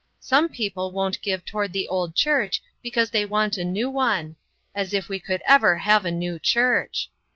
Some people won't give toward the old church, because they want a new one. As if we could ever have a new church